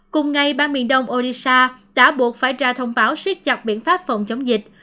cùng ngày bang miền đông orisa đã buộc phải ra thông báo siết chặt biện pháp phòng chống dịch